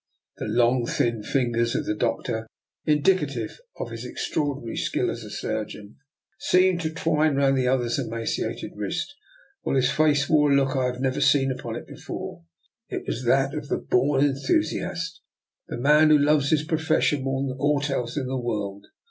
The long, thin fingers of the Doctor, indicative of his extraordinary skill as a surgeon, seemed to twine round the other's emaciated wrist, while his face wore a look I had never seen upon it before — it was that of the born enthusiast, the man who loves his profession more than aught else in the world.